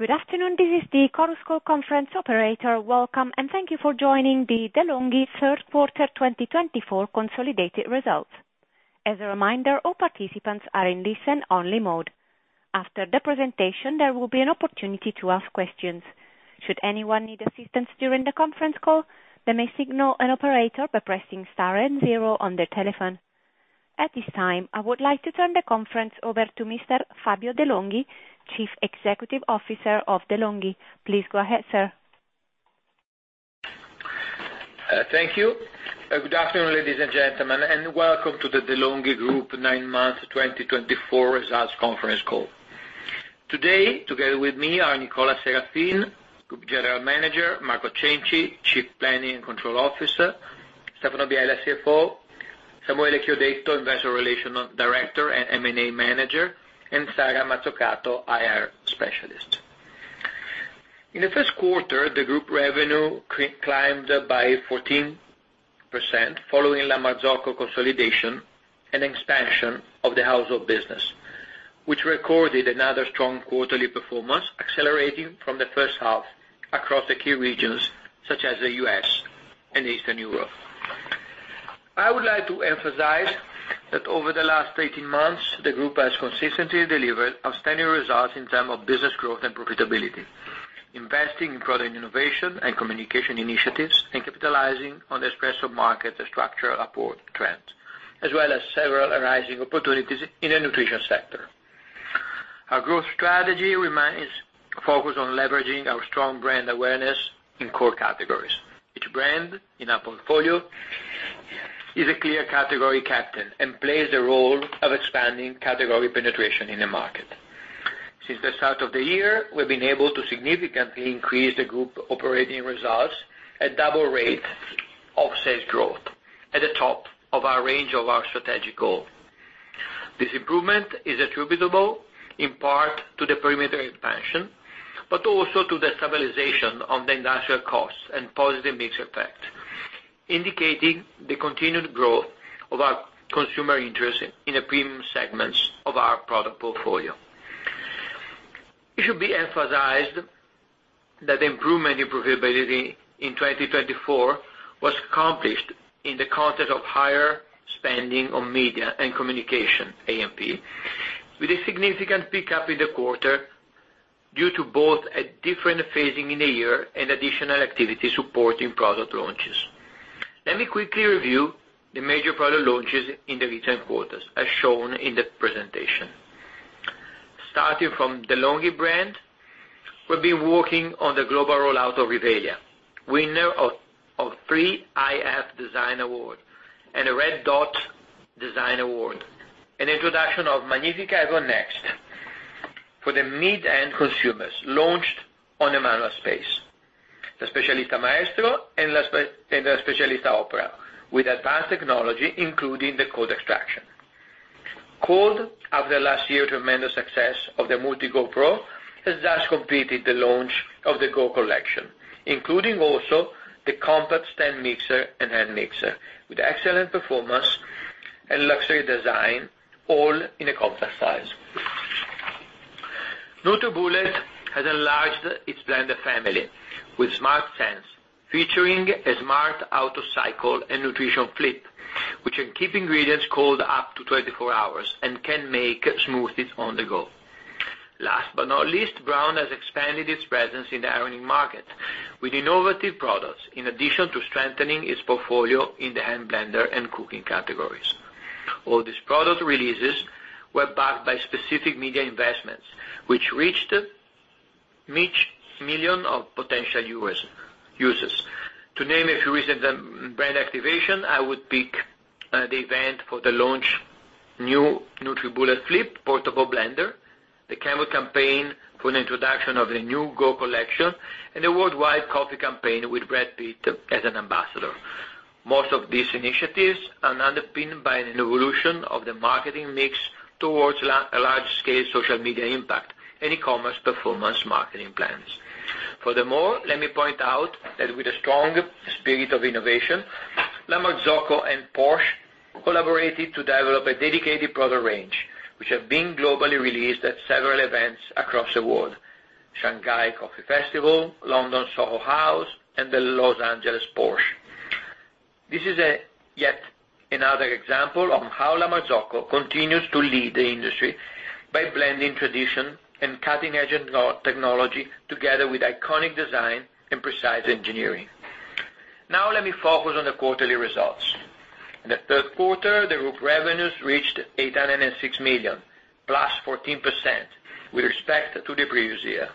Good afternoon, this is the Chorus Call conference operator. Welcome, and thank you for joining the De'Longhi third quarter 2024 consolidated results. As a reminder, all participants are in listen-only mode. After the presentation, there will be an opportunity to ask questions. Should anyone need assistance during the conference call, they may signal an operator by pressing star and zero on their telephone. At this time, I would like to turn the conference over to Mr. Fabio De'Longhi, Chief Executive Officer of De'Longhi. Please go ahead, sir. Thank you. Good afternoon, ladies and gentlemen, and welcome to the De'Longhi Group nine months 2024 results conference call. Today, together with me are Nicola Serafin, Group General Manager, Marco Cenci, Chief Planning and Control Officer, Stefano Biella, CFO, Samuele Chiodetto, Investor Relations Director and M&A Manager, and Sara Mazzucato, IR Specialist. In the first quarter, the group revenue climbed by 14% following La Marzocco consolidation and expansion of the household business, which recorded another strong quarterly performance, accelerating from the first half across the key regions such as the U.S. and Eastern Europe. I would like to emphasize that over the last 18 months, the group has consistently delivered outstanding results in terms of business growth and profitability, investing in product innovation and communication initiatives, and capitalizing on the Nespresso market's structural upward trends, as well as several arising opportunities in the nutrition sector. Our growth strategy remains focused on leveraging our strong brand awareness in core categories. Each brand in our portfolio is a clear category captain and plays the role of expanding category penetration in the market. Since the start of the year, we've been able to significantly increase the group operating results at double rates of sales growth, at the top of our range of our strategic goal. This improvement is attributable in part to the perimeter expansion, but also to the stabilization of the industrial costs and positive mix effect, indicating the continued growth of our consumer interest in the premium segments of our product portfolio. It should be emphasized that the improvement in profitability in 2024 was accomplished in the context of higher spending on media and communication, A&P, with a significant pickup in the quarter due to both a different phasing in the year and additional activity supporting product launches. Let me quickly review the major product launches in the recent quarters, as shown in the presentation. Starting from De'Longhi brand, we've been working on the global rollout of Rivelia, winner of three iF Design Awards and a Red Dot Design Award, and the introduction of Magnifica Evo Next for the mid-end consumers launched on the manual space, the Specialista Maestro and the Specialista Opera, with advanced technology including the cold extraction. Kenwood, after last year's tremendous success of the MultiPro Go, has thus completed the launch of the Go Collection, including also the Compact Stand Mixer and Hand Mixer, with excellent performance and luxury design, all in a compact size. NutriBullet has enlarged its blender family with SmartSense, featuring a smart auto-cycle and NutriBullet Flip, which can keep ingredients cold up to 24 hours and can make smoothies on the go. Last but not least, Braun has expanded its presence in the high-end market with innovative products, in addition to strengthening its portfolio in the hand blender and cooking categories. All these product releases were backed by specific media investments, which reached 8 million potential users. To name a few recent brand activations, I would pick the event for the launch of the new NutriBullet Flip portable blender, the global campaign for the introduction of the new Go Collection, and the worldwide coffee campaign with Brad Pitt as an ambassador. Most of these initiatives are underpinned by an evolution of the marketing mix towards a large-scale social media impact and e-commerce performance marketing plans. Furthermore, let me point out that with a strong spirit of innovation, La Marzocco and Porsche collaborated to develop a dedicated product range, which has been globally released at several events across the world: Shanghai Coffee Festival, London Soho House, and the Los Angeles Porsche. This is yet another example of how La Marzocco continues to lead the industry by blending tradition and cutting-edge technology together with iconic design and precise engineering. Now, let me focus on the quarterly results. In the third quarter, the group revenues reached 860 million, plus 14% with respect to the previous year.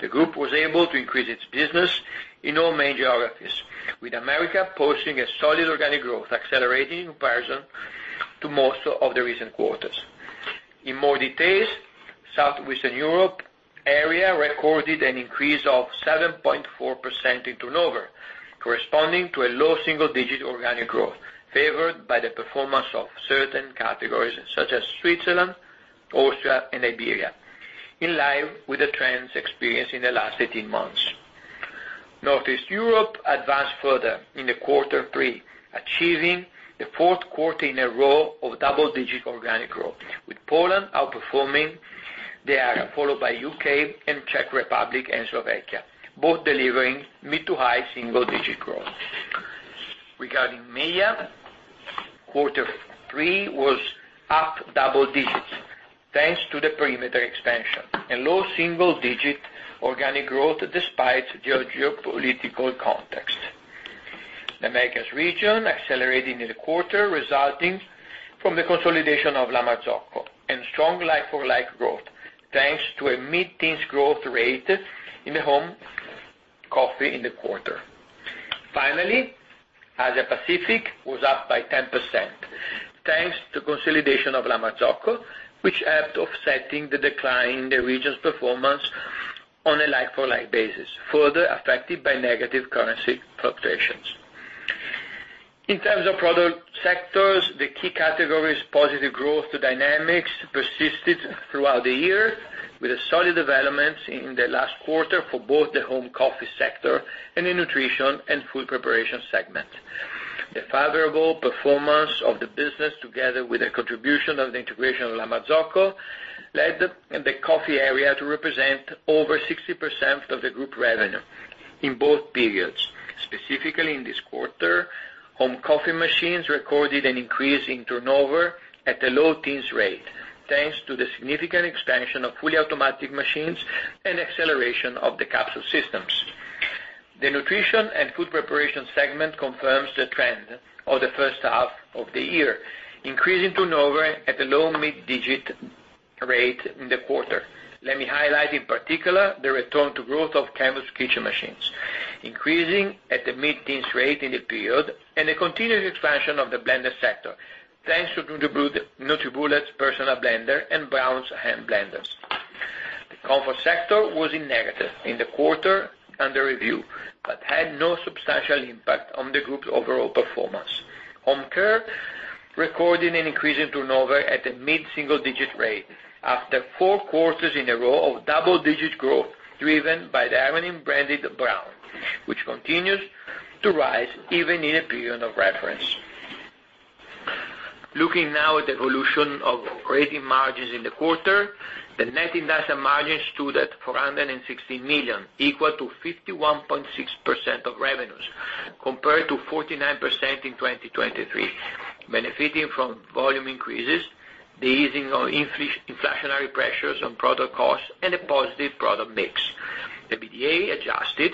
The group was able to increase its business in all main geographies, with America posting a solid organic growth, accelerating in comparison to most of the recent quarters. In more detail, Southwestern Europe area recorded an increase of 7.4% in turnover, corresponding to a low single-digit organic growth favored by the performance of certain categories such as Switzerland, Austria, and Iberia, in line with the trends experienced in the last 18 months. Northeast Europe advanced further in the quarter three, achieving the fourth quarter in a row of double-digit organic growth, with Poland outperforming the area, followed by the UK and the Czech Republic and Slovakia, both delivering mid to high single-digit growth. Regarding media, quarter three was up double digits thanks to the perimeter expansion and low single-digit organic growth despite the geopolitical context. The Americas region accelerated in the quarter, resulting from the consolidation of La Marzocco and strong like-for-like growth thanks to a mid-teens growth rate in the home coffee in the quarter. Finally, Asia-Pacific was up by 10% thanks to the consolidation of La Marzocco, which helped offset the decline in the region's performance on a like-for-like basis, further affected by negative currency fluctuations. In terms of product sectors, the key categories' positive growth dynamics persisted throughout the year, with solid developments in the last quarter for both the home coffee sector and the nutrition and food preparation segment. The favorable performance of the business, together with the contribution of the integration of La Marzocco, led the coffee area to represent over 60% of the group revenue in both periods. Specifically, in this quarter, home coffee machines recorded an increase in turnover at a low teens rate thanks to the significant expansion of fully automatic machines and acceleration of the capsule systems. The nutrition and food preparation segment confirms the trend of the first half of the year, increasing turnover at a low mid-digit rate in the quarter. Let me highlight, in particular, the return to growth of Kenwood machines, increasing at the mid-teens rate in the period, and the continued expansion of the blender sector thanks to NutriBullet's personal blender and Braun's hand blenders. The comfort sector was in negative in the quarter under review, but had no substantial impact on the group's overall performance. Home care recorded an increase in turnover at a mid-single-digit rate after four quarters in a row of double-digit growth driven by the ironing brand Braun, which continues to rise even in a period of reference. Looking now at the evolution of operating margins in the quarter, the net industrial margin stood at 416 million, equal to 51.6% of revenues, compared to 49% in 2023, benefiting from volume increases, the easing of inflationary pressures on product costs, and a positive product mix. The Adjusted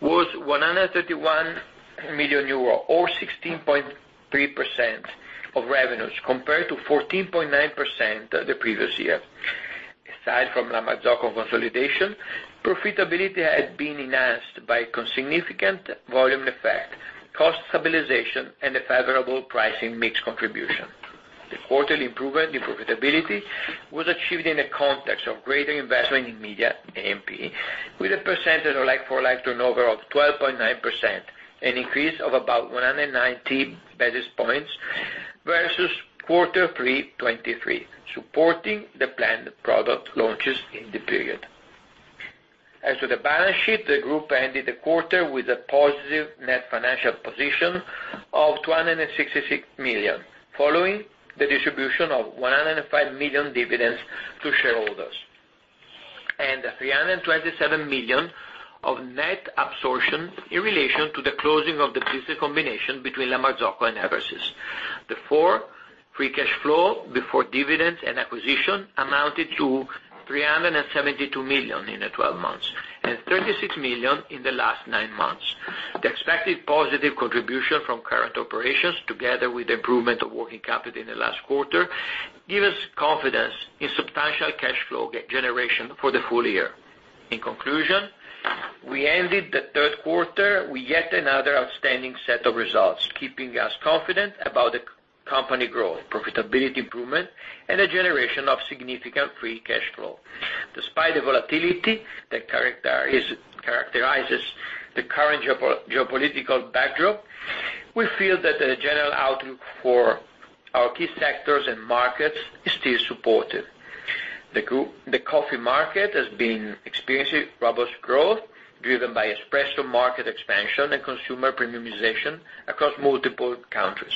EBITDA was 131 million euro, or 16.3% of revenues, compared to 14.9% the previous year. Aside from La Marzocco consolidation, profitability had been enhanced by significant volume effect, cost stabilization, and a favorable pricing mix contribution. The quarterly improvement in profitability was achieved in the context of greater investment in media, A&P, with a percentage of like-for-like turnover of 12.9%, an increase of about 190 basis points versus quarter three 2023, supporting the planned product launches in the period. As for the balance sheet, the group ended the quarter with a positive net financial position of 266 million, following the distribution of 105 million dividends to shareholders, and 327 million of net absorption in relation to the closing of the business combination between La Marzocco and Eversys. Therefore, free cash flow before dividends and acquisition amounted to 372 million in the 12 months and 36 million in the last 9 months. The expected positive contribution from current operations, together with the improvement of working capital in the last quarter, gives us confidence in substantial cash flow generation for the full year. In conclusion, we ended the third quarter with yet another outstanding set of results, keeping us confident about the company growth, profitability improvement, and the generation of significant free cash flow. Despite the volatility that characterizes the current geopolitical backdrop, we feel that the general outlook for our key sectors and markets is still supportive. The coffee market has been experiencing robust growth, driven by Nespresso market expansion and consumer premiumization across multiple countries.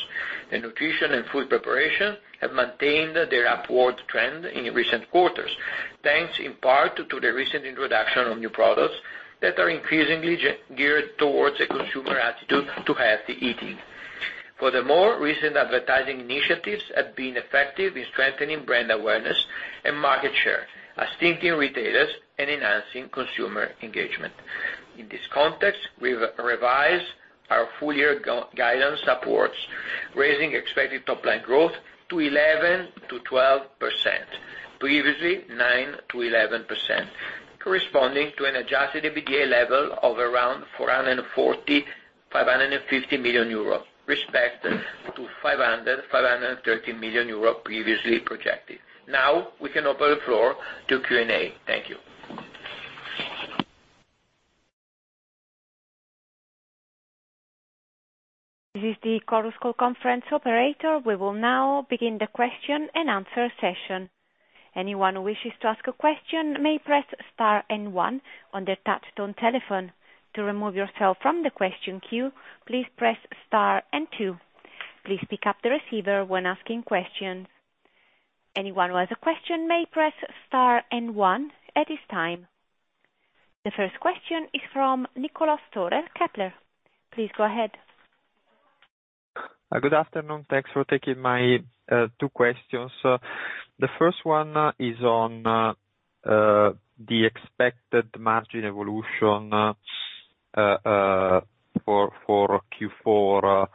The nutrition and food preparation have maintained their upward trend in recent quarters, thanks in part to the recent introduction of new products that are increasingly geared towards a consumer attitude to healthy eating. Furthermore, recent advertising initiatives have been effective in strengthening brand awareness and market share, assisting retailers and enhancing consumer engagement. In this context, we've revised our full-year guidance, supports raising expected top-line growth to 11%-12%, previously 9%-11%, corresponding to an adjusted EBITDA level of around 445-450 million euro, respectively to 505-530 million euro previously projected. Now, we can open the floor to Q&A. Thank you. This is the Chorus Call Conference Operator. We will now begin the question and answer session. Anyone who wishes to ask a question may press star and One on their touch-tone telephone. To remove yourself from the question queue, please press star and Two. Please pick up the receiver when asking questions. Anyone who has a question may press star and One at this time. The first question is from Nicolas Torres. Please go ahead. Good afternoon. Thanks for taking my two questions. The first one is on the expected margin evolution for Q4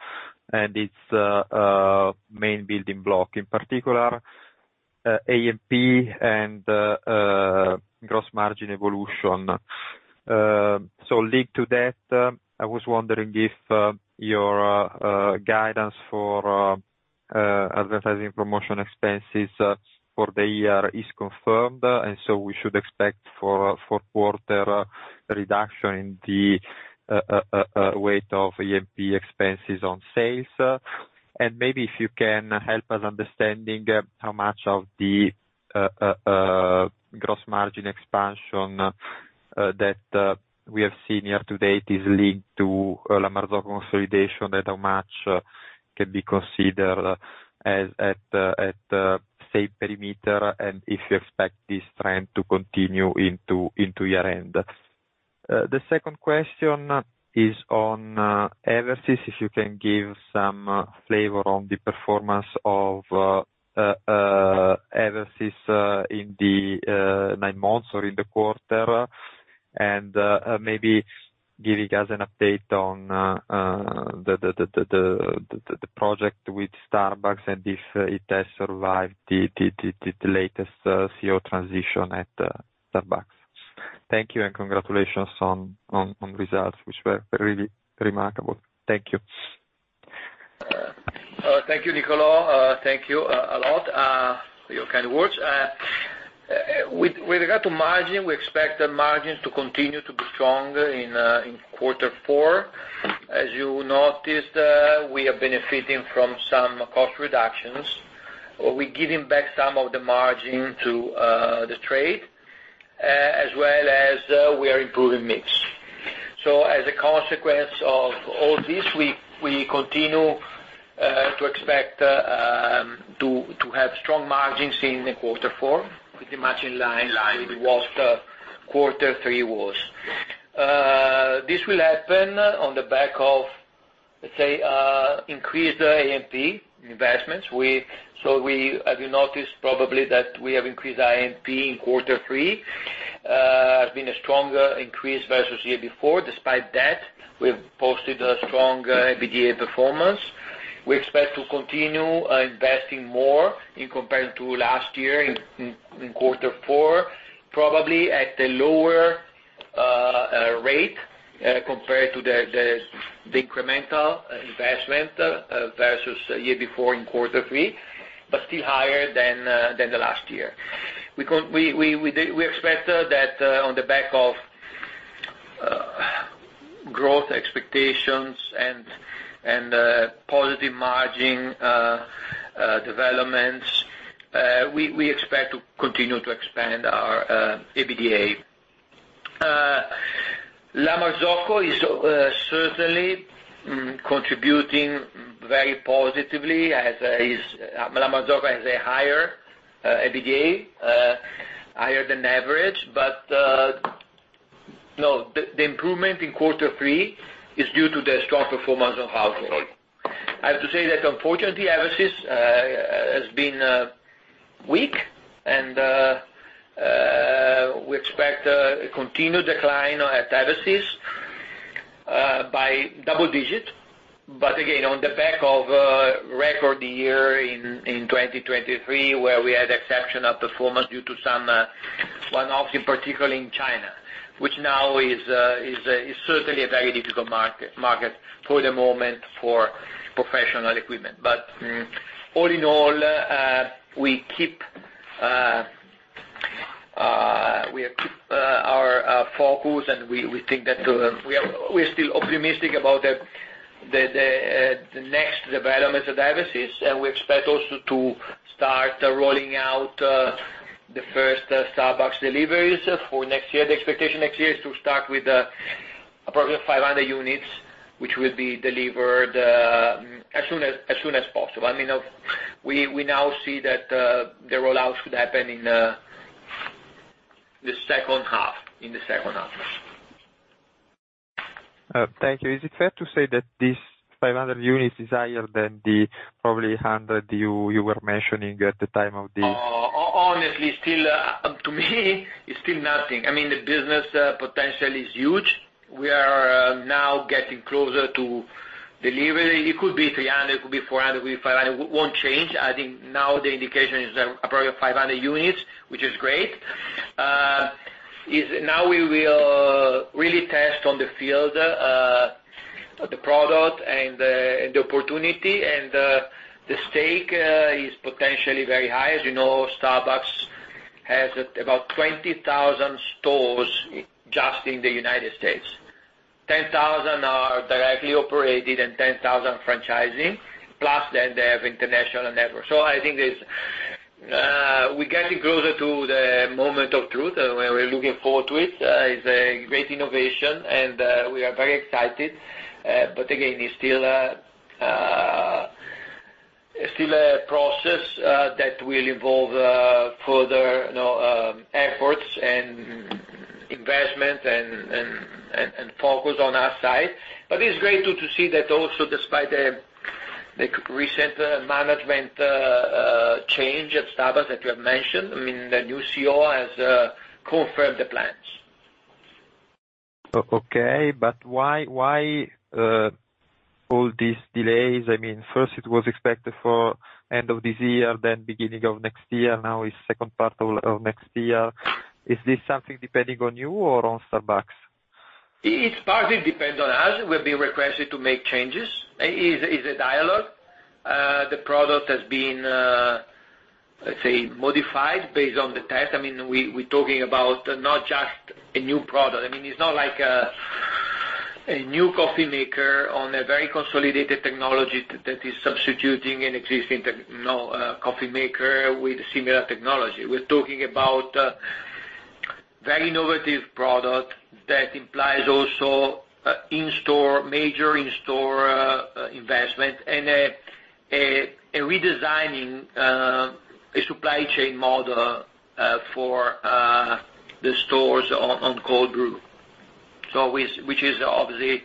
and its main building block, in particular, A&P and gross margin evolution. So linked to that, I was wondering if your guidance for advertising promotion expenses for the year is confirmed, and so we should expect for quarter reduction in the weight of A&P expenses on sales. Maybe if you can help us understand how much of the gross margin expansion that we have seen year to date is linked to La Marzocco consolidation, how much can be considered at the same perimeter, and if you expect this trend to continue into year-end. The second question is on Eversys. If you can give some flavor on the performance of Eversys in the nine months or in the quarter, and maybe give you guys an update on the project with Starbucks and if it has survived the latest CEO transition at Starbucks? Thank you, and congratulations on results, which were really remarkable. Thank you. Thank you, Nicolas. Thank you a lot for your kind words. With regard to margin, we expect margins to continue to be strong in quarter four. As you noticed, we are benefiting from some cost reductions. We're giving back some of the margin to the trade, as well as we are improving mix. So as a consequence of all this, we continue to expect to have strong margins in quarter four, pretty much in line with what quarter three was. This will happen on the back of, let's say, increased A&P investments. So you noticed probably that we have increased A&P in quarter three. It has been a stronger increase versus the year before. Despite that, we have posted a strong EBITDA performance. We expect to continue investing more in comparison to last year in quarter four, probably at a lower rate compared to the incremental investment versus the year before in quarter three, but still higher than the last year. We expect that on the back of growth expectations and positive margin developments, we expect to continue to expand our Adjusted EBITDA. La Marzocco is certainly contributing very positively, as La Marzocco has a higher Adjusted EBITDA, higher than average, but the improvement in quarter three is due to the strong performance of households. I have to say that, unfortunately, Eversys has been weak, and we expect a continued decline at Eversys by double digits. But again, on the back of record year in 2023, where we had exceptional performance due to some one-offs, particularly in China, which now is certainly a very difficult market for the moment for professional equipment. But all in all, we keep our focus, and we think that we're still optimistic about the next developments at Eversys, and we expect also to start rolling out the first Starbucks deliveries for next year. The expectation next year is to start with approximately 500 units, which will be delivered as soon as possible. I mean, we now see that the rollout should happen in the second half, in the second half. Thank you. Is it fair to say that these 500 units is higher than the probably 100 you were mentioning at the time of the? Honestly, to me, it's still nothing. I mean, the business potential is huge. We are now getting closer to delivery. It could be 300, it could be 400, it could be 500. It won't change. I think now the indication is approximately 500 units, which is great. Now we will really test in the field the product, and the opportunity, and the stake is potentially very high. As you know, Starbucks has about 20,000 stores just in the United States. 10,000 are directly operated and 10,000 franchised, plus then they have international networks. So I think we're getting closer to the moment of truth, and we're looking forward to it. It's a great innovation, and we are very excited. But again, it's still a process that will involve further efforts and investment and focus on our side. But it's great to see that also, despite the recent management change at Starbucks that you have mentioned, I mean, the new CEO has confirmed the plans. Okay. But why all these delays? I mean, first, it was expected for end of this year, then beginning of next year. Now it's second part of next year. Is this something depending on you or on Starbucks? It's partly depending on us. We've been requested to make changes. It's a dialogue. The product has been, let's say, modified based on the test. I mean, we're talking about not just a new product. I mean, it's not like a new coffee maker on a very consolidated technology that is substituting an existing coffee maker with similar technology. We're talking about a very innovative product that implies also major in-store investment and redesigning a supply chain model for the stores on Cold Brew, which is obviously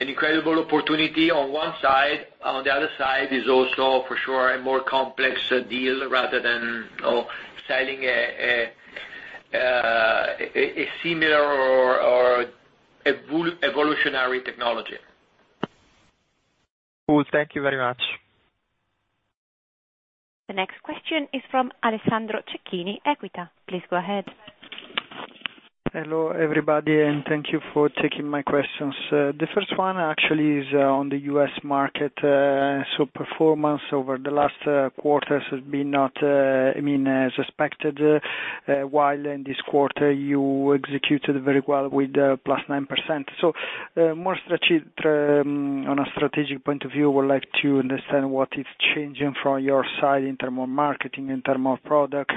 an incredible opportunity on one side. On the other side is also, for sure, a more complex deal rather than selling a similar or evolutionary technology. Cool. Thank you very much. The next question is from Alessandro Cecchini, Equita. Please go ahead. Hello everybody, and thank you for taking my questions. The first one actually is on the U.S. market. So performance over the last quarter has been not, I mean, as expected, while in this quarter you executed very well with +9%. So more on a strategic point of view, I would like to understand what is changing from your side in terms of marketing, in terms of product.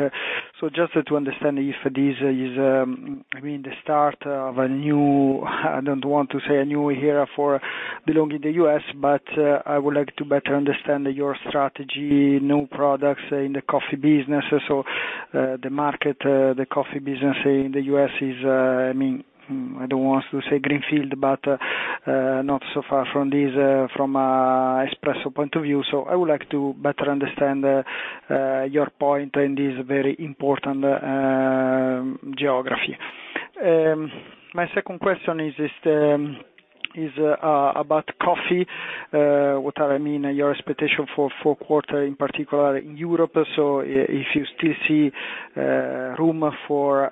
So just to understand if this is, I mean, the start of a new—I don't want to say a new era for De'Longhi in the US, but I would like to better understand your strategy, new products in the coffee business. So the market, the coffee business in the US is, I mean, I don't want to say greenfield, but not so far from this from an Nespresso point of view. So I would like to better understand your point in this very important geography. My second question is about coffee. What I mean, your expectation for quarter in particular in Europe. So if you still see room for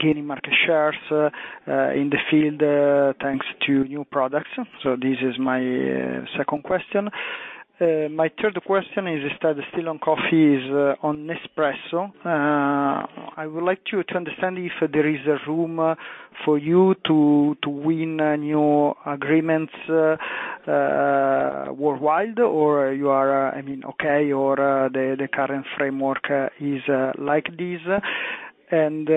gaining market shares in the field thanks to new products. So this is my second question. My third question is, instead of still on coffee, is on Nespresso. I would like to understand if there is room for you to win new agreements worldwide, or you are, I mean, okay, or the current framework is like this. And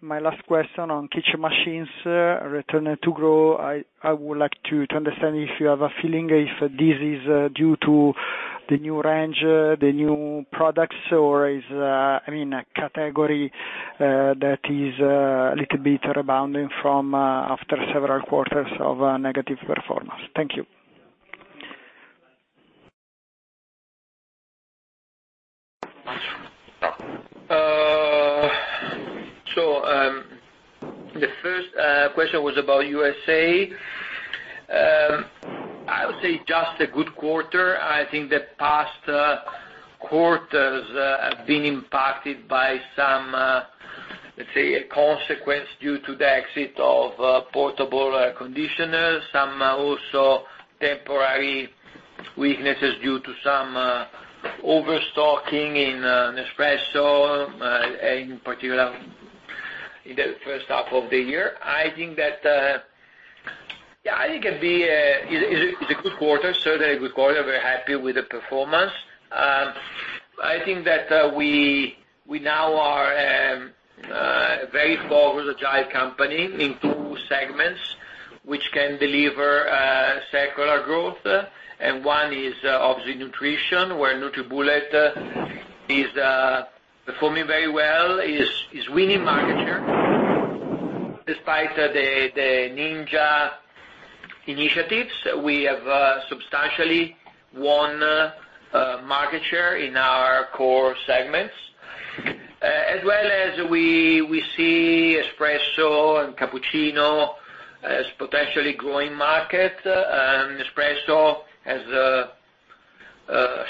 my last question on kitchen machines, returning to grow, I would like to understand if you have a feeling if this is due to the new range, the new products, or is, I mean, a category that is a little bit rebounding from after several quarters of negative performance. Thank you. So the first question was about USA. I would say just a good quarter. I think the past quarters have been impacted by some, let's say, consequences due to the exit of portable air conditioners, some also temporary weaknesses due to some overstocking in Nespresso, in particular in the first half of the year. I think that, yeah, I think it's a good quarter, certainly a good quarter. We're happy with the performance. I think that we now are a very focused, agile company in two segments, which can deliver secular growth. And one is obviously nutrition, where NutriBullet is performing very well, is winning market share. Despite the Ninja initiatives, we have substantially won market share in our core segments, as well as we see Nespresso and cappuccino as potentially growing markets. Nespresso has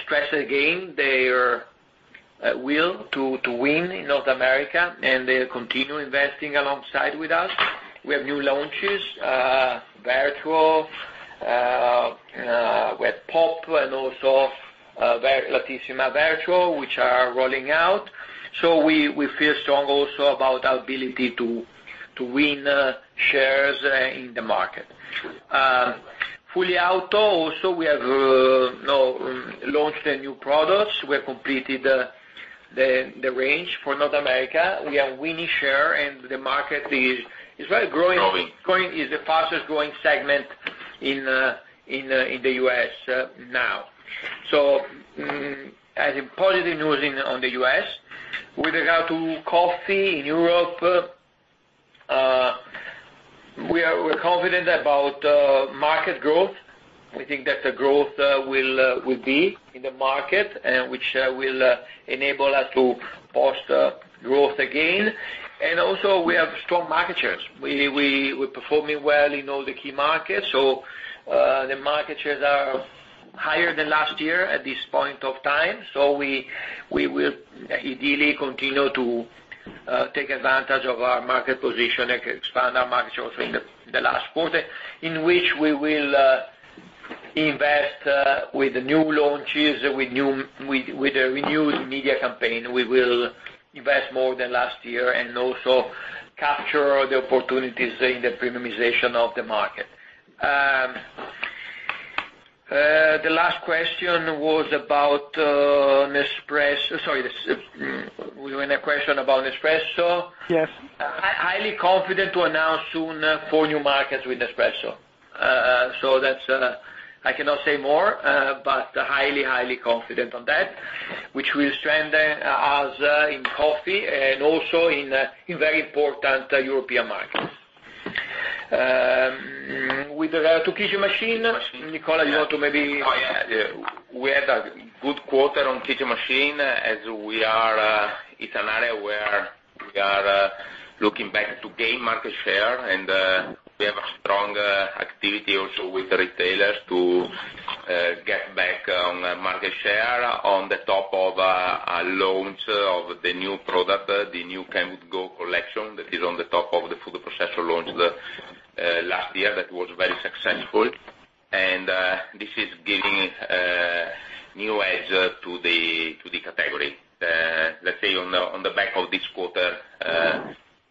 stressed again their will to win in North America, and they continue investing alongside with us. We have new launches, Vertuo Pop and also Vertuo Lattissima, which are rolling out. So we feel strong also about our ability to win shares in the market. Fully auto, also we have launched a new product. We have completed the range for North America. We are winning share, and the market is very growing. Growing is the fastest growing segment in the US now. So I think positive news on the U.S. With regard to coffee in Europe, we are confident about market growth. We think that the growth will be in the market, which will enable us to post growth again. And also, we have strong market shares. We're performing well in all the key markets. So the market shares are higher than last year at this point of time. So we will ideally continue to take advantage of our market position and expand our market share also in the last quarter, in which we will invest with new launches, with a renewed media campaign. We will invest more than last year and also capture the opportunities in the premiumization of the market. The last question was about Nespresso. Sorry, we were in a question about Nespresso. Yes. Highly confident to announce soon four new markets with Nespresso. So I cannot say more, but highly, highly confident on that, which will strengthen us in coffee and also in very important European markets. With regard to kitchen machine, Nicola, you want to maybe. Oh, yeah. We had a good quarter on kitchen machine, as we are in an area where we are looking back to gain market share, and we have a strong activity also with retailers to get back on market share on the top of launch of the new product, the new Kenwood Go Collection that is on the top of the food processor launched last year that was very successful. And this is giving new edge to the category. Let's say on the back of this quarter,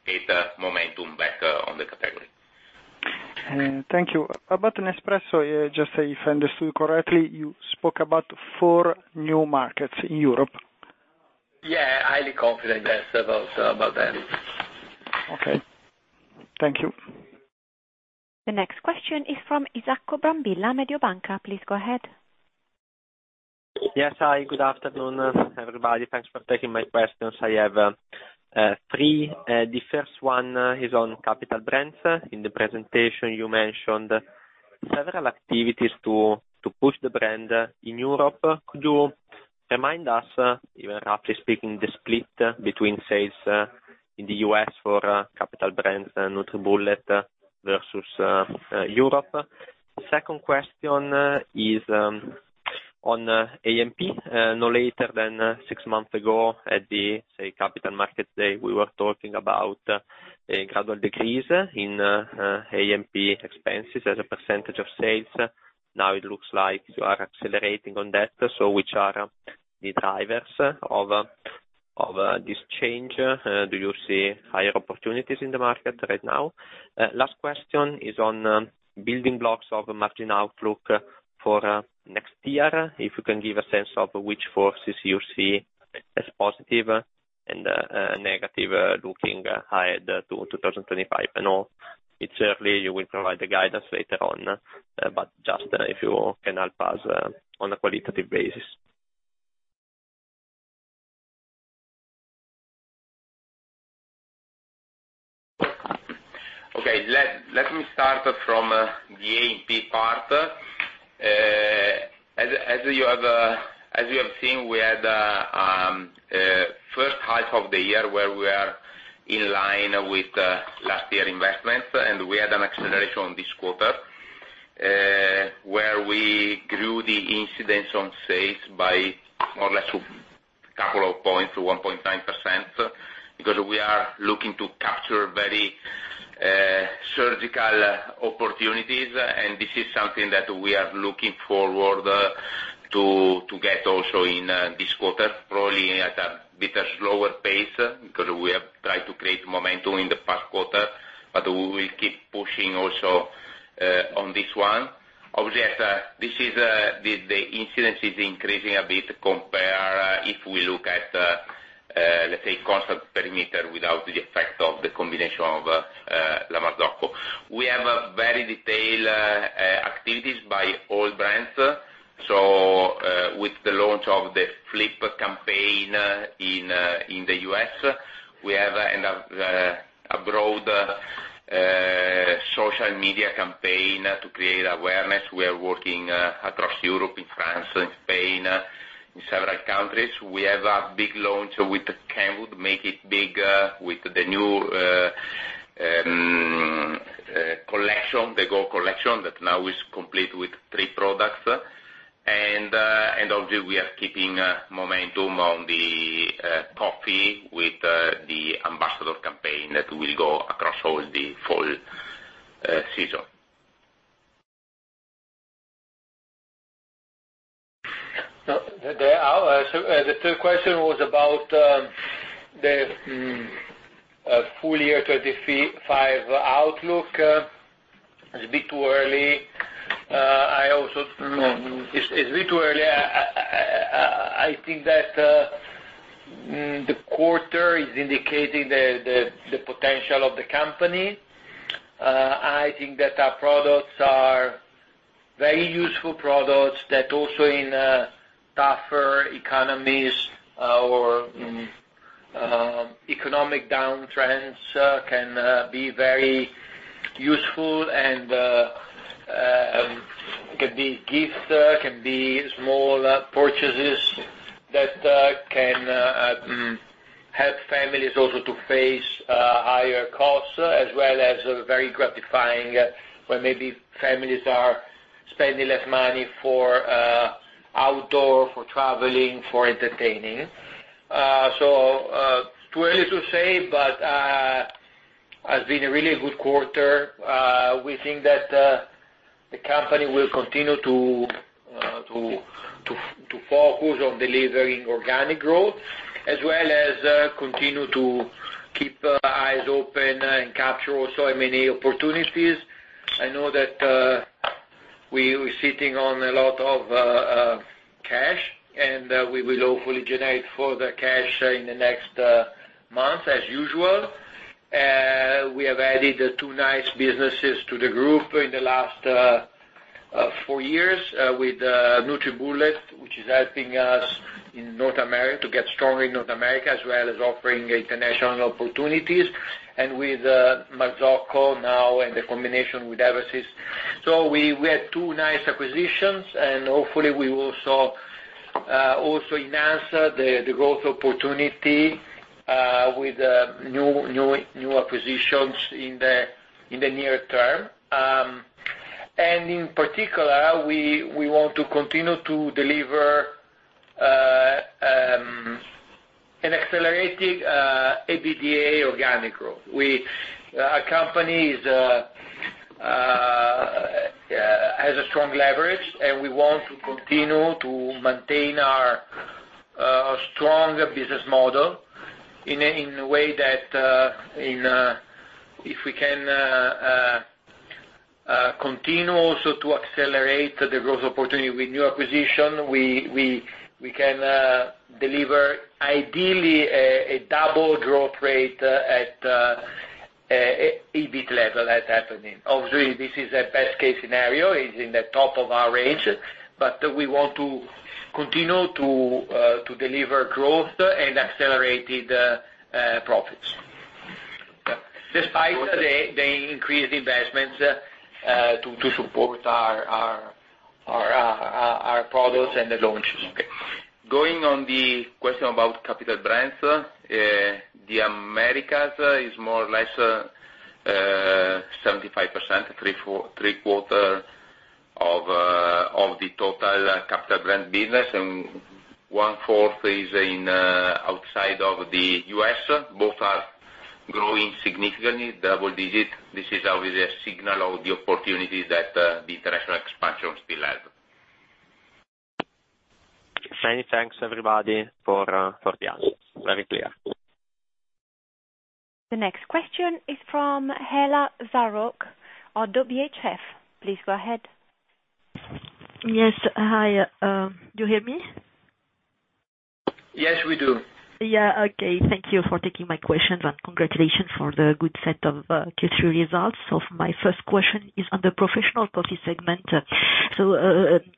it momentum back on the category. Thank you. About Nespresso, just if I understood correctly, you spoke about four new markets in Europe. Yeah, highly confident about them. Okay. Thank you. The next question is from Isacco Brambilla, Mediobanca. Please go ahead. Yes, hi. Good afternoon, everybody. Thanks for taking my questions. I have three. The first one is on Capital Brands. In the presentation, you mentioned several activities to push the brand in Europe. Could you remind us, even roughly speaking, the split between sales in the U.S. for Capital Brands and NutriBullet versus Europe? The second question is on A&P. No later than six months ago at the, say, Capital Markets Day, we were talking about the gradual decrease in A&P expenses as a % of sales. Now it looks like you are accelerating on that, so which are the drivers of this change? Do you see higher opportunities in the market right now? Last question is on building blocks of margin outlook for next year. If you can give a sense of which forces you see as positive and negative looking ahead to 2025? I know it's early. You will provide the guidance later on, but just if you can help us on a qualitative basis. Okay. Let me start from the A&P part. As you have seen, we had the first half of the year where we are in line with last year's investments, and we had an acceleration this quarter where we grew the incidence on sales by more or less a couple of points, 1.9%, because we are looking to capture very surgical opportunities. And this is something that we are looking forward to get also in this quarter, probably at a bit slower pace because we have tried to create momentum in the past quarter, but we will keep pushing also on this one. Obviously, this incidence is increasing a bit compared if we look at, let's say, constant perimeter without the effect of the combination of La Marzocco. We have very detailed activities by all brands. So with the launch of the Flip campaign in the US, we have a broad social media campaign to create awareness. We are working across Europe, in France, in Spain, in several countries. We have a big launch with Kenwood, Make It Big with the new collection, the Go Collection, that now is complete with three products. And obviously, we are keeping momentum on the coffee with the ambassador campaign that will go across all the full season. So the third question was about the full year 2025 outlook. It's a bit too early. It's a bit too early. I think that the quarter is indicating the potential of the company. I think that our products are very useful products that also in tougher economies or economic downtrends can be very useful, and it can be gifts, can be small purchases that can help families also to face higher costs, as well as very gratifying when maybe families are spending less money for outdoor, for traveling, for entertaining. So too early to say, but it has been a really good quarter. We think that the company will continue to focus on delivering organic growth, as well as continue to keep eyes open and capture also many opportunities. I know that we are sitting on a lot of cash, and we will hopefully generate further cash in the next months, as usual. We have added two nice businesses to the group in the last four years with NutriBullet, which is helping us in North America to get stronger in North America, as well as offering international opportunities, with La Marzocco now and the combination with Eversys. We had two nice acquisitions, and hopefully, we will also enhance the growth opportunity with new acquisitions in the near term. In particular, we want to continue to deliver an accelerated EBITDA organic growth. Our company has a strong leverage, and we want to continue to maintain our strong business model in a way that if we can continue also to accelerate the growth opportunity with new acquisitions, we can deliver ideally a double growth rate at EBIT level that's happening. Obviously, this is a best-case scenario. It's in the top of our range, but we want to continue to deliver growth and accelerated profits, despite the increased investments to support our products and the launches. Going on the question about Capital Brands, the Americas is more or less 75%, three-quarters of the total Capital Brands business, and one-fourth is outside of the US. Both are growing significantly, double-digit. This is obviously a signal of the opportunity that the international expansion still has. Many thanks, everybody, for the answers. Very clear. The next question is from Hela Zarrouk, Oddo BHF. Please go ahead. Yes. Hi. Do you hear me? Yes, we do. Yeah. Okay. Thank you for taking my questions, and congratulations for the good set of Q3 results. So my first question is on the professional coffee segment. So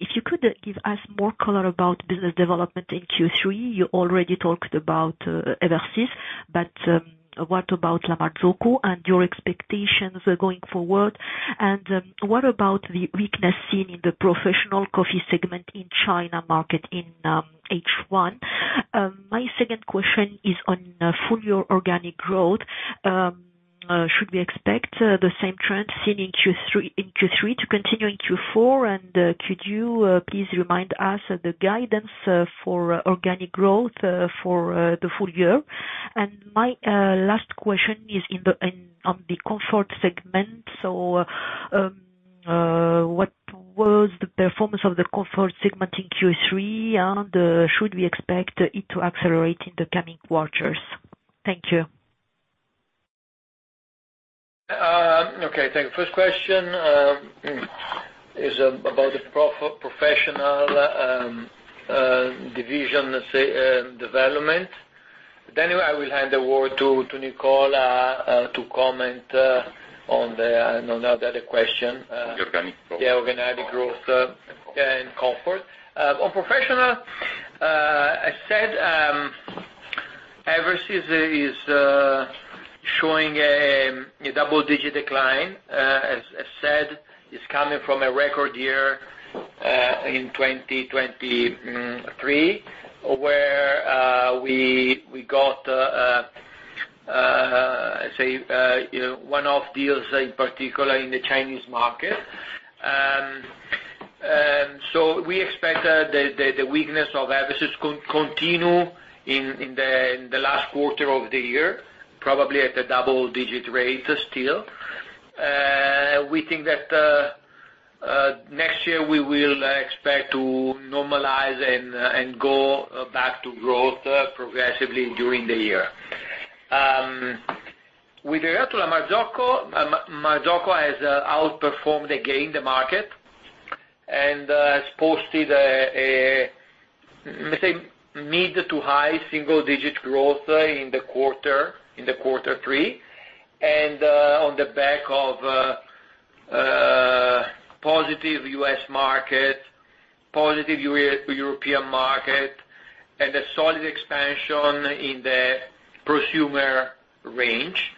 if you could give us more color about business development in Q3, you already talked about Eversys, but what about La Marzocco and your expectations going forward? And what about the weakness seen in the professional coffee segment in China market in H1? My second question is on full year organic growth. Should we expect the same trend seen in Q3 to continue in Q4? And could you please remind us of the guidance for organic growth for the full year? And my last question is on the comfort segment. So what was the performance of the comfort segment in Q3, and should we expect it to accelerate in the coming quarters? Thank you. Okay. Thank you. First question is about the professional division development. Then I will hand the word to Nicola to comment on the other question. The organic growth. The organic growth and comfort. On professional, as I said, Eversys is showing a double-digit decline. As I said, it's coming from a record year in 2023 where we got, I'd say, one-off deals in particular in the Chinese market. So we expect the weakness of Eversys to continue in the last quarter of the year, probably at a double-digit rate still. We think that next year we will expect to normalize and go back to growth progressively during the year. With regard to La Marzocco, La Marzocco has outperformed again the market and has posted a mid- to high single-digit growth in quarter three. On the back of positive U.S. market, positive European market, and a solid expansion in the prosumer range,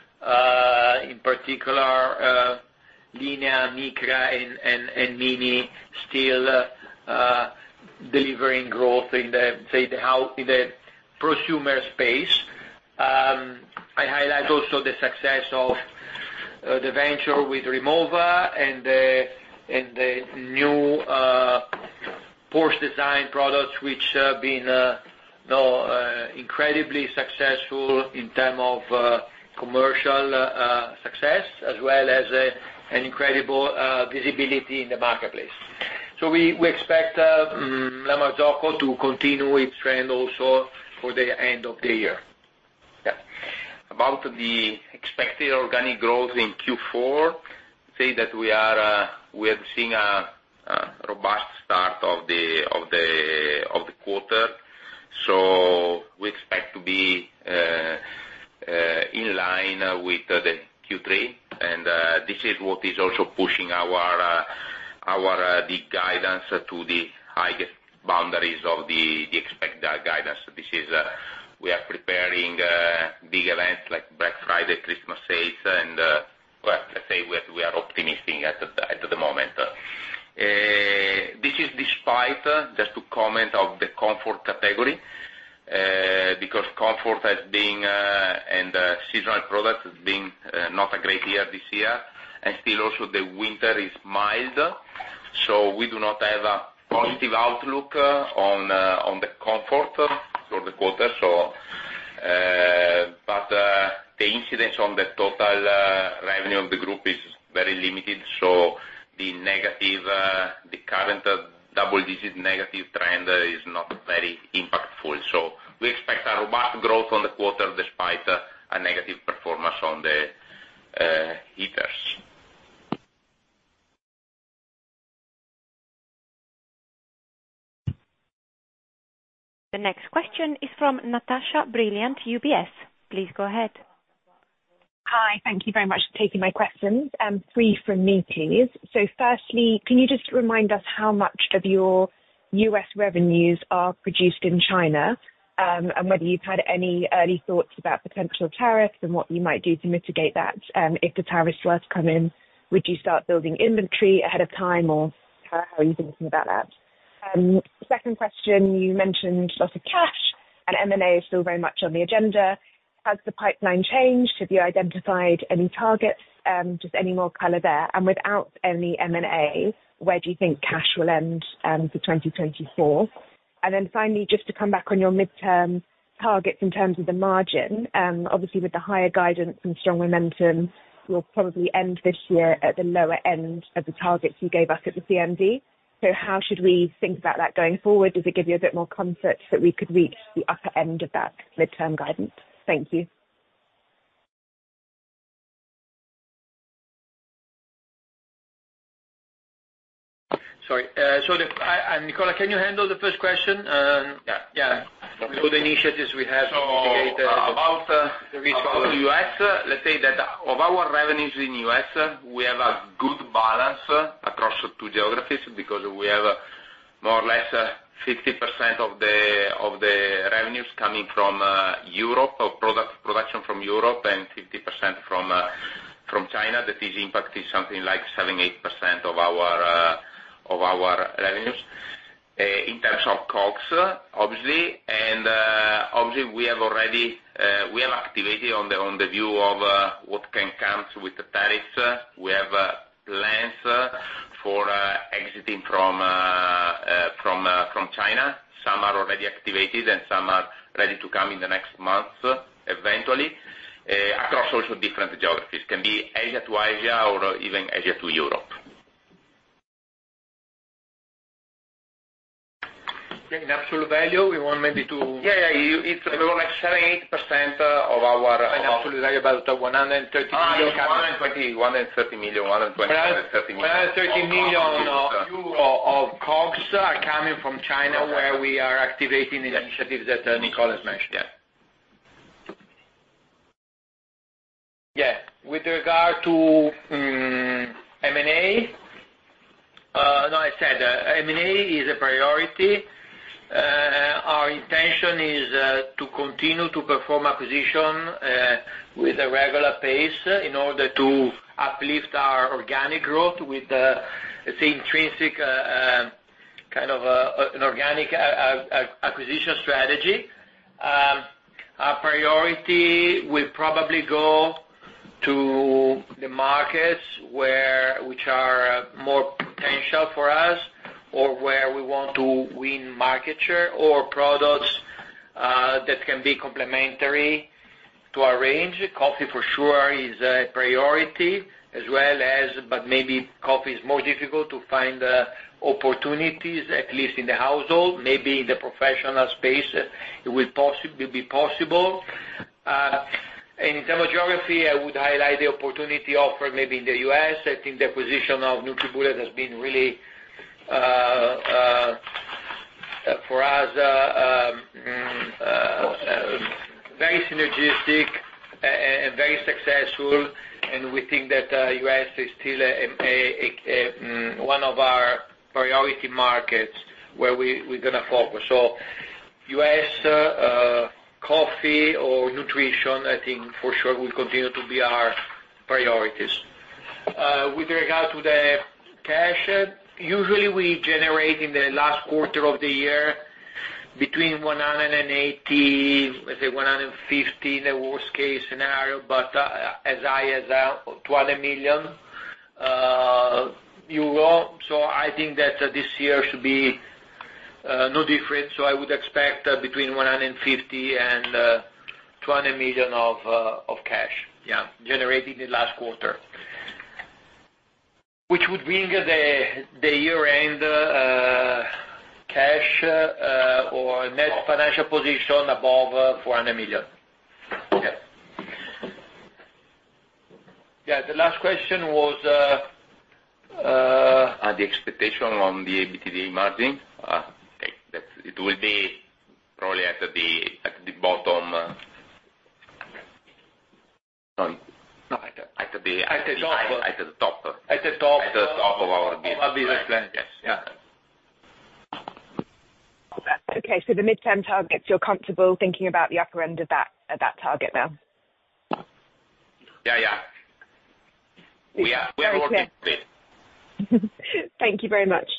in particular, Linea Micra and Mini still delivering growth in the prosumer space. I highlight also the success of the venture with Rimowa and the new Porsche design products, which have been incredibly successful in terms of commercial success, as well as an incredible visibility in the marketplace. So we expect La Marzocco to continue its trend also for the end of the year. Yeah. About the expected organic growth in Q4, I'd say that we are seeing a robust start of the quarter. So we expect to be in line with the Q3. And this is what is also pushing our guidance to the highest boundaries of the expected guidance. We are preparing big events like Black Friday, Christmas sales, and let's say we are optimistic at the moment. This is despite, just to comment, of the coffee category because coffee has been and seasonal products have been not a great year this year. And still, also, the winter is mild, so we do not have a positive outlook on the comfort for the quarter. But the impact on the total revenue of the group is very limited, so the current double-digit negative trend is not very impactful. So we expect a robust growth in the quarter despite a negative performance in the heaters. The next question is from Natasha Brilliant, UBS. Please go ahead. Hi. Thank you very much for taking my questions. Three from me, please. So firstly, can you just remind us how much of your U.S. revenues are produced in China and whether you've had any early thoughts about potential tariffs and what you might do to mitigate that if the tariffs were to come in? Would you start building inventory ahead of time, or how are you thinking about that? Second question, you mentioned lots of cash, and M&A is still very much on the agenda. Has the pipeline changed? Have you identified any targets? Just any more color there. And without any M&A, where do you think cash will end for 2024? And then finally, just to come back on your midterm targets in terms of the margin, obviously, with the higher guidance and strong momentum, you'll probably end this year at the lower end of the targets you gave us at the CMD. So how should we think about that going forward? Does it give you a bit more comfort that we could reach the upper end of that midterm guidance? Thank you. Sorry. So Nicola, can you handle the first question? Yeah. Yeah. What are the initiatives we have to mitigate? About the US, let's say that of our revenues in the US, we have a good balance across two geographies because we have more or less 50% of the revenues coming from Europe or production from Europe and 50% from China. That is impacting something like 7-8% of our revenues in terms of COGS, obviously. And obviously, we have activity in view of what can come with the tariffs. We have plans for exiting from China. Some are already activated, and some are ready to come in the next months eventually across also different geographies. It can be Asia to Asia or even Asia to Europe. In absolute value, we want maybe to. We want 7-8% of our. In absolute value, about 130 million. 130 million. 130 million of COGS are coming from China where we are activating initiatives that Nicola has mentioned. Yeah. Yeah. With regard to M&A? No, I said M&A is a priority. Our intention is to continue to perform acquisition with a regular pace in order to uplift our organic growth with, let's say, intrinsic kind of an organic acquisition strategy. Our priority will probably go to the markets which are more potential for us or where we want to win market share or products that can be complementary to our range. Coffee, for sure, is a priority, as well as, but maybe coffee is more difficult to find opportunities, at least in the household. Maybe in the professional space it will be possible, and in terms of geography, I would highlight the opportunity offered maybe in the U.S. I think the acquisition of NutriBullet has been really, for us, very synergistic and very successful. And we think that the US is still one of our priority markets where we're going to focus. So US coffee or nutrition, I think, for sure, will continue to be our priorities. With regard to the cash, usually, we generate in the last quarter of the year between 180, let's say 150 in the worst-case scenario, but as high as 200 million euro. So I think that this year should be no different. So I would expect between 150 and 200 million of cash generated in the last quarter, which would bring the year-end cash or net financial position above EUR 400 million. The last question was. And the expectation on the EBITDA margin, it will be probably at the bottom. Sorry. At the top. At the top. At the top of our business plan. Yes. Yeah. Okay. So the midterm targets, you're comfortable thinking about the upper end of that target now? Yeah. Yeah. We are working on it. Thank you very much.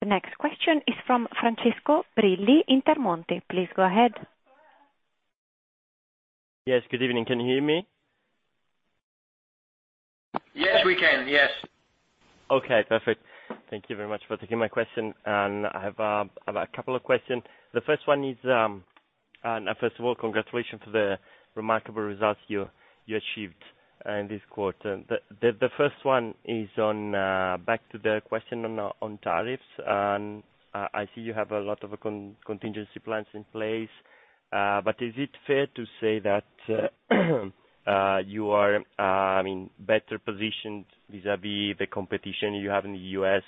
The next question is from Francesco Brilli in Intermonte. Please go ahead. Yes. Good evening. Can you hear me? Yes, we can. Yes. Okay. Perfect. Thank you very much for taking my question. And I have a couple of questions. The first one is, first of all, congratulations for the remarkable results you achieved in this quarter. The first one is back to the question on tariffs. And I see you have a lot of contingency plans in place. But is it fair to say that you are, I mean, better positioned vis-à-vis the competition you have in the U.S.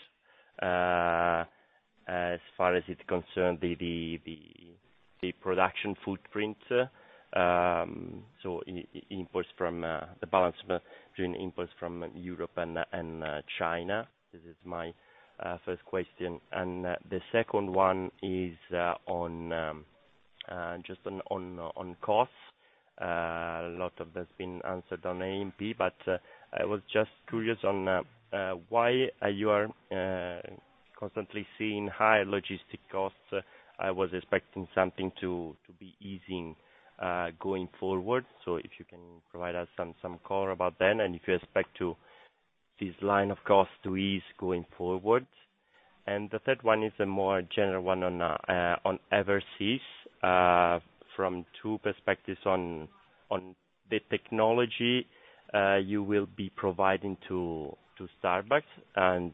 as far as it concerns the production footprint? So inputs from the balance between inputs from Europe and China. This is my first question. And the second one is just on costs. A lot of that's been answered on A&P, but I was just curious on why you are constantly seeing higher logistic costs. I was expecting something to be easing going forward. So if you can provide us some color about then and if you expect this line of cost to ease going forward. And the third one is a more general one on Eversys. From two perspectives on the technology you will be providing to Starbucks, and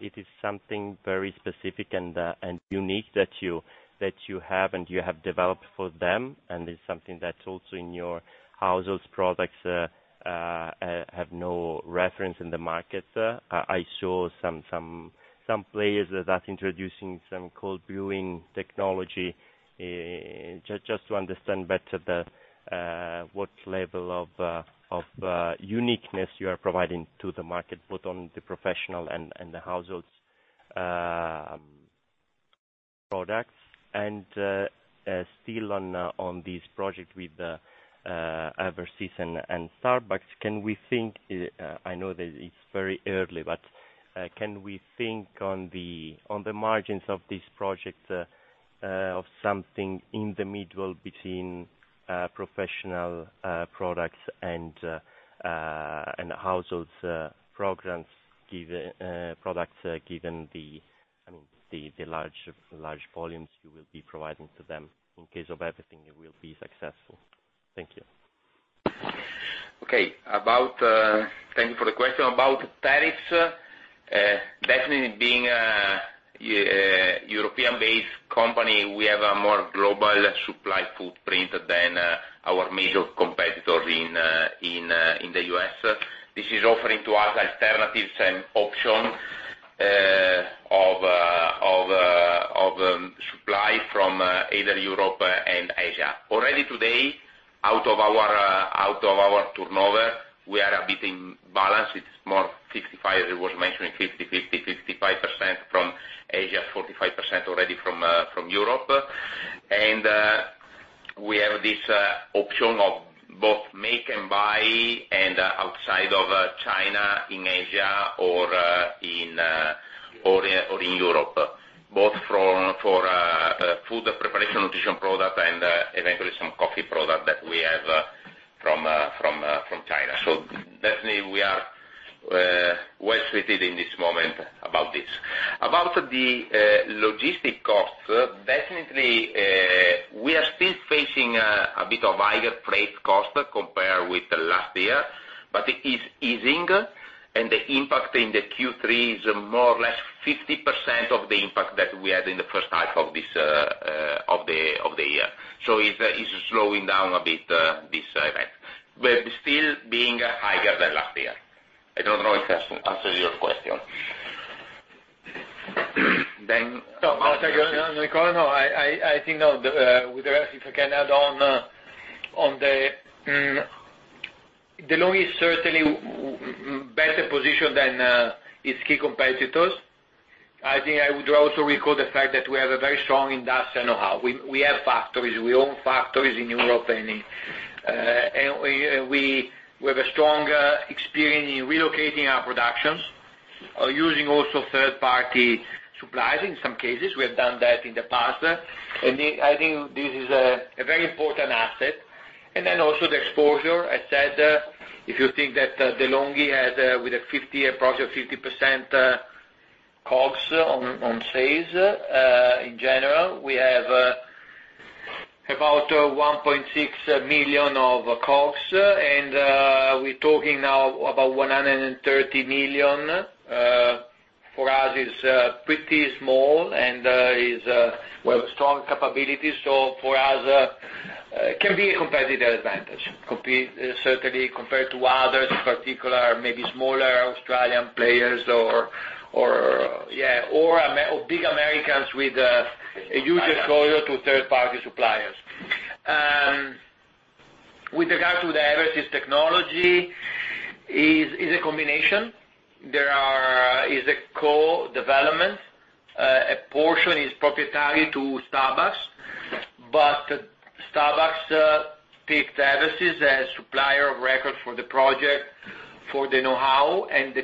it is something very specific and unique that you have and you have developed for them. It's something that's also in your household products that have no reference in the market. I saw some players that are introducing some cold brewing technology just to understand better what level of uniqueness you are providing to the market, both on the professional and the household products. Still on this project with Eversys and Starbucks, can we think? I know that it's very early, but can we think on the margins of this project of something in the mid world between professional products and household products given the, I mean, the large volumes you will be providing to them? In case everything, it will be successful. Thank you. Okay. Thank you for the question. About tariffs, definitely being a European-based company, we have a more global supply footprint than our major competitors in the U.S. This is offering to us alternatives and options of supply from either Europe and Asia. Already today, out of our turnover, we are a bit in balance. It's more 55. It was mentioned 50, 50, 55% from Asia, 45% already from Europe. And we have this option of both make and buy and outside of China in Asia or in Europe, both for food preparation, nutrition products, and eventually some coffee products that we have from China. So definitely, we are well suited in this moment about this. About the logistics costs, definitely, we are still facing a bit of higher price cost compared with last year, but it is easing. And the impact in the Q3 is more or less 50% of the impact that we had in the first half of the year. So it's slowing down a bit, this event, but still being higher than last year. I don't know if that answers your question. Then. So I think, no, with regards if I can add on, De'Longhi is certainly better positioned than its key competitors. I think I would also recall the fact that we have a very strong industry know-how. We have factories. We own factories in Europe. And we have a strong experience in relocating our productions or using also third-party suppliers in some cases. We have done that in the past. And I think this is a very important asset. And then also the exposure. I said if you think that De'Longhi has with an approximate 50% COGS on sales in general, we have about 1.6 million of COGS. And we're talking now about 130 million. For us, it's pretty small and it's strong capabilities. So for us, it can be a competitive advantage, certainly compared to others, particularly maybe smaller Australian players or big Americans with a huge exposure to third-party suppliers. With regard to the Eversys technology, it's a combination. There is a co-development. A portion is proprietary to Starbucks. But Starbucks picked Eversys as supplier of record for the project for the know-how and the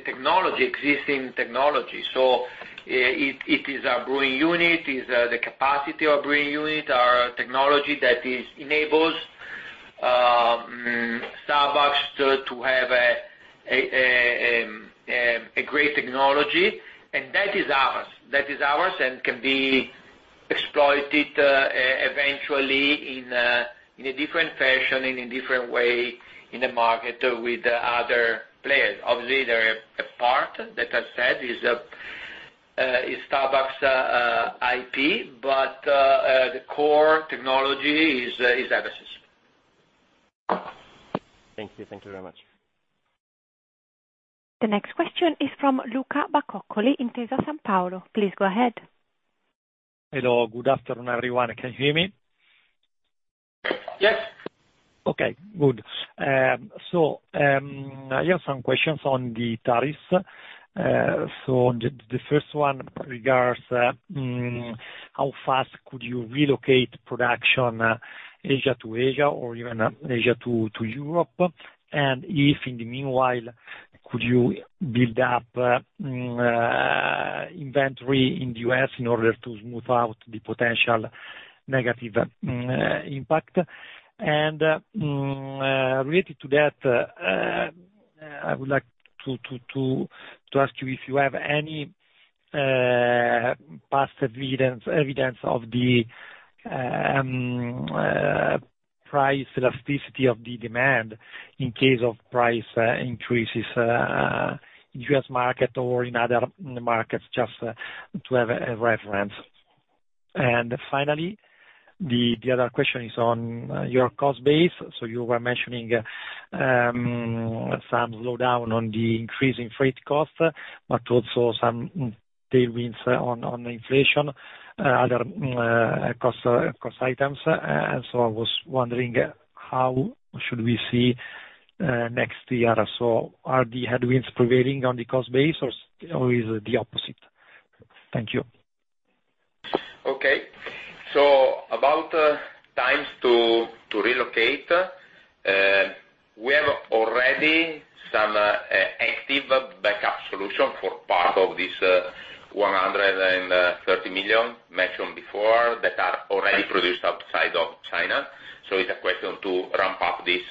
existing technology. So it is our brewing unit. It is the capacity of our brewing unit, our technology that enables Starbucks to have a great technology. And that is ours. That is ours and can be exploited eventually in a different fashion and in a different way in the market with other players. Obviously, there is a part that I said is Starbucks' IP, but the core technology is Eversys. Thank you. Thank you very much. The next question is from Luca Bacoccoli at Intesa Sanpaolo. Please go ahead. Hello. Good afternoon, everyone. Can you hear me? Yes. Okay. Good. So I have some questions on the tariffs. So the first one regards how fast could you relocate production Asia to Asia or even Asia to Europe? And if in the meanwhile, could you build up inventory in the U.S. in order to smooth out the potential negative impact? And related to that, I would like to ask you if you have any past evidence of the price elasticity of the demand in case of price increases in the U.S. market or in other markets, just to have a reference. And finally, the other question is on your cost base. So you were mentioning some slowdown on the increase in freight costs, but also some tailwinds on inflation, other cost items. And so I was wondering how should we see next year? So are the headwinds prevailing on the cost base or is it the opposite? Thank you. Okay. So about timelines to relocate, we have already some active backup solutions for part of this 130 million mentioned before that are already produced outside of China. So it's a question to ramp up this.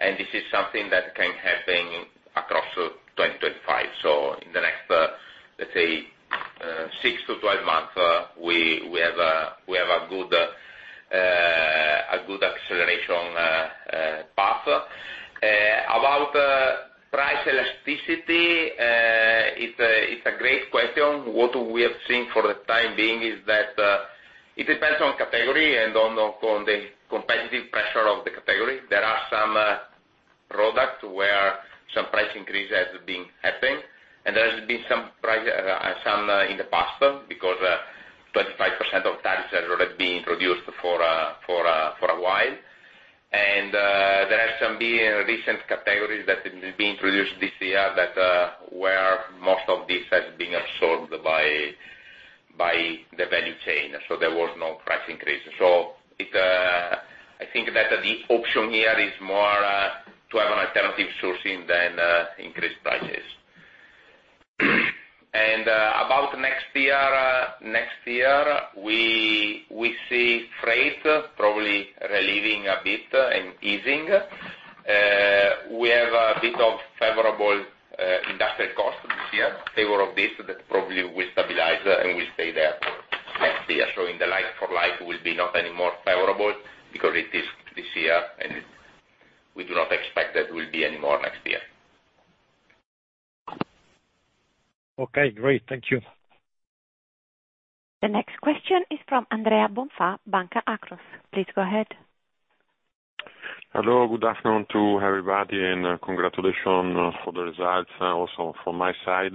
And this is something that can happen across 2025. So in the next, let's say, 6-12 months, we have a good acceleration path. About price elasticity, it's a great question. What we have seen for the time being is that it depends on category and on the competitive pressure of the category. There are some products where some price increase has been happening. And there has been some in the past because 25% tariffs have already been introduced for a while. And there have been recent categories that have been introduced this year where most of this has been absorbed by the value chain. So there was no price increase. So I think that the option here is more to have an alternative sourcing than increased prices. And about next year, we see freight probably relieving a bit and easing. We have a bit of favorable industrial costs this year, favorable offset that probably will stabilize and will stay there next year. So in the like-for-like, it will be not any more favorable because it is this year, and we do not expect that it will be any more next year. Okay. Great. Thank you. The next question is from Andrea Bonfa, Banca Akros. Please go ahead. Hello. Good afternoon to everybody. And congratulations for the results also from my side.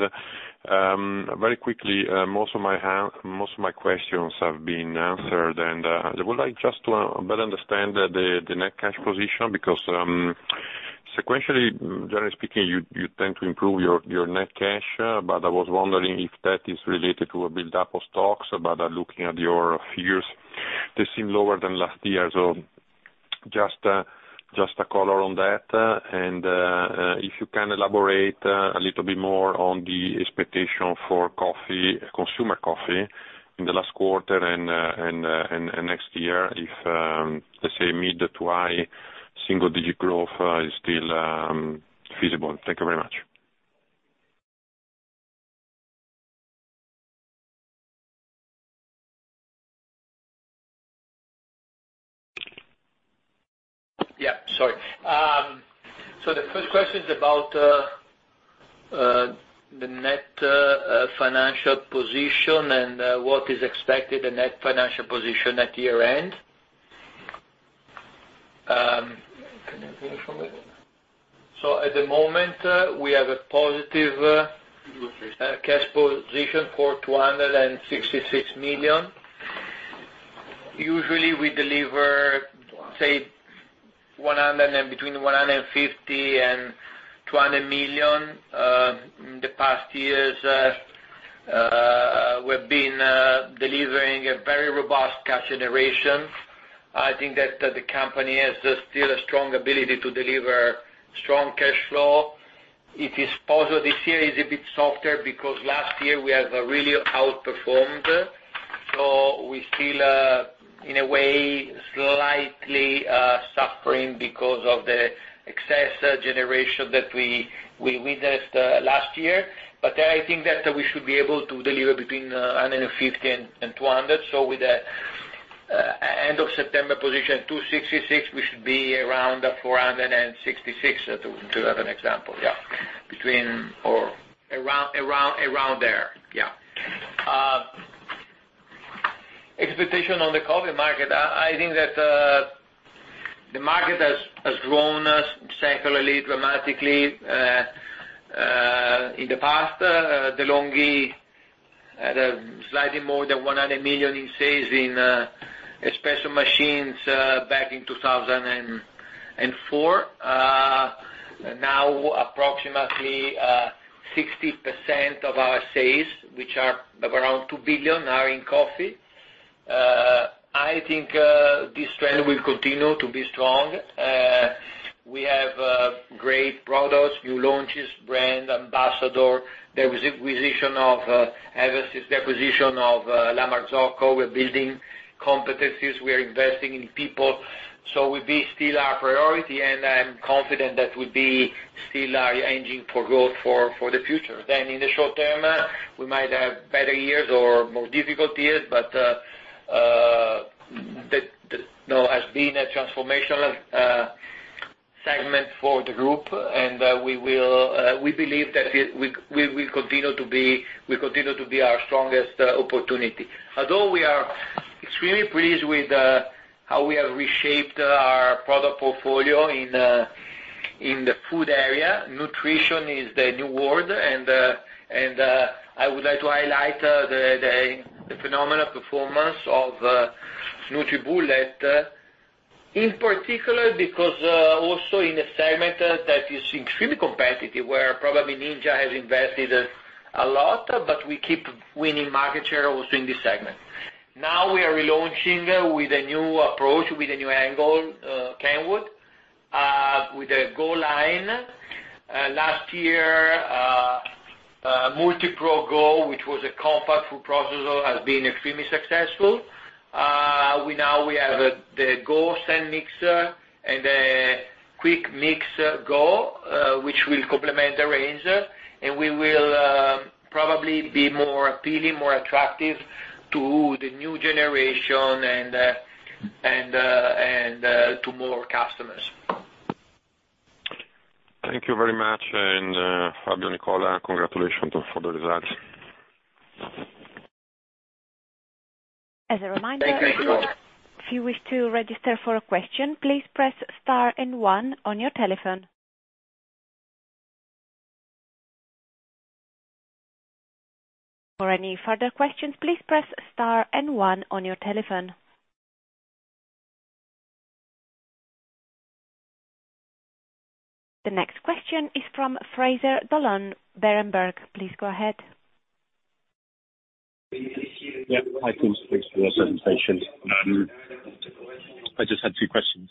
Very quickly, most of my questions have been answered. And I would like just to better understand the net financial position because sequentially, generally speaking, you tend to improve your net financial. But I was wondering if that is related to a build-up of stocks. But looking at your figures, they seem lower than last year. So just a color on that. And if you can elaborate a little bit more on the expectation for consumer coffee in the last quarter and next year, if, let's say, mid to high single-digit growth is still feasible. Thank you very much. Yeah. Sorry. So the first question is about the net financial position and what is expected, the net financial position at year-end. So at the moment, we have a positive cash position of 266 million. Usually, we deliver, say, between 150 million and 200 million. In the past years, we've been delivering a very robust cash generation. I think that the company has still a strong ability to deliver strong cash flow. It is possible this year is a bit softer because last year we have really outperformed. So we're still, in a way, slightly suffering because of the excess generation that we witnessed last year. But I think that we should be able to deliver between 150 million and 200 million. So with the end of September position, 266 million, we should be around 466 million, to have an example, yeah, or around there. Yeah. Expectation on the coffee market. I think that the market has grown secularly, dramatically in the past. De'Longhi had slightly more than 100 million in sales in Nespresso machines back in 2004. Now, approximately 60% of our sales, which are around 2 billion, are in coffee. I think this trend will continue to be strong. We have great products, new launches, brand ambassador, overseas acquisition of La Marzocco. We're building competencies. We are investing in people. So we'll be still our priority. And I'm confident that we'll be still engaging for growth for the future. Then in the short term, we might have better years or more difficult years. But there has been a transformational segment for the group. And we believe that we will continue to be our strongest opportunity. Although we are extremely pleased with how we have reshaped our product portfolio in the food area, nutrition is the new word. And I would like to highlight the phenomenal performance of NutriBullet, in particular, because also in a segment that is extremely competitive, where probably Ninja has invested a lot, but we keep winning market share also in this segment. Now we are relaunching with a new approach, with a new angle, Kenwood, with a Go Collection. Last year, MultiPro Go, which was a compact food processor, has been extremely successful. Now we have the Go Stand Mixer and the QuickMix Go, which will complement the range. And we will probably be more appealing, more attractive to the new generation and to more customers. Thank you very much. And Fabio, Nicola, congratulations for the results. As a reminder. Thank you. If you wish to register for a question, please press star and one on your telephone. For any further questions, please press star and one on your telephone. The next question is from Fraser Donlon, Berenberg. Please go ahead. Thank you for the presentation. I just had two questions.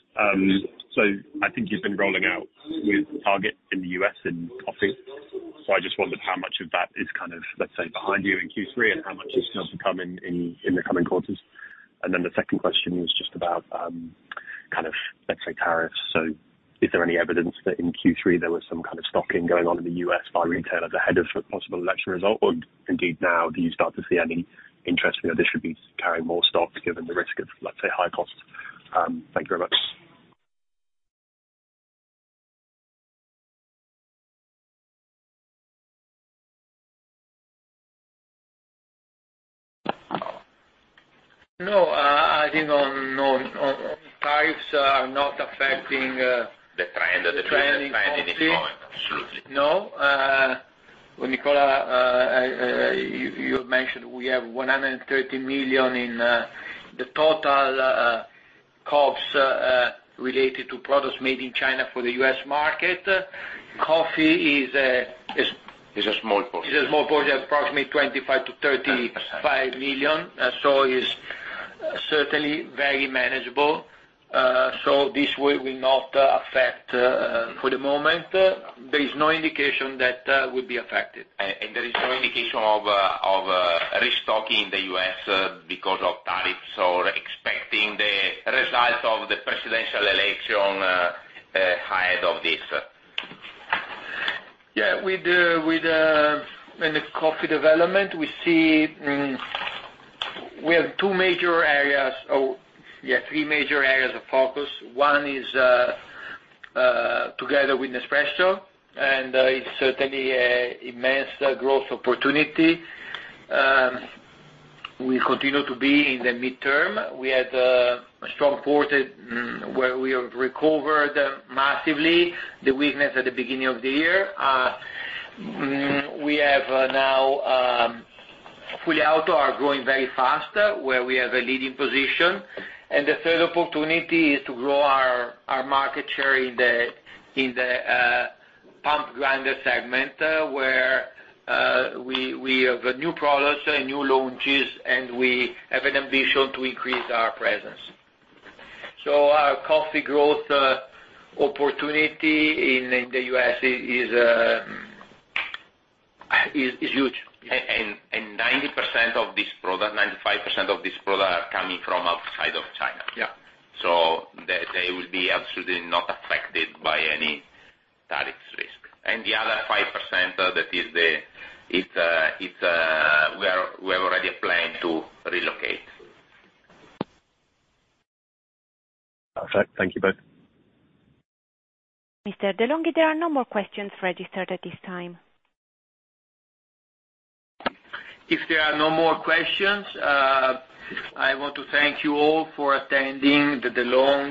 So I think you've been rolling out with Target in the US in coffee. So I just wondered how much of that is kind of, let's say, behind you in Q3 and how much is still to come in the coming quarters. And then the second question was just about kind of, let's say, tariffs. So is there any evidence that in Q3 there was some kind of stocking going on in the U.S. by retailers ahead of a possible election result? Or indeed now, do you start to see any interest in your distribution carrying more stock given the risk of, let's say, high costs? Thank you very much. No. I think tariffs are not affecting the trend at this point. Absolutely. No. Nicola, you mentioned we have 130 million in the total COGS related to products made in China for the U.S. market. Coffee is a small portion. It's a small portion, approximately 25-35 million. So it's certainly very manageable. So this will not affect for the moment. There is no indication that it will be affected. And there is no indication of restocking in the U.S. because of tariffs or expecting the result of the presidential election ahead of this. Yeah. With the coffee development, we see we have two major areas or, yeah, three major areas of focus. One is together with Nespresso. And it's certainly an immense growth opportunity. We continue to be in the midterm. We had a strong quarter where we recovered massively the weakness at the beginning of the year. We have now Fully Auto growing very fast where we have a leading position. And the third opportunity is to grow our market share in the pump grinder segment where we have new products and new launches, and we have an ambition to increase our presence. So our coffee growth opportunity in the US is huge. And 90% of this product, 95% of this product are coming from outside of China. So they will be absolutely not affected by any tariff risk. And the other 5%, that is the we have already a plan to relocate. Perfect. Thank you both. Mr. De'Longhi, there are no more questions registered at this time. If there are no more questions, I want to thank you all for attending De'Longhi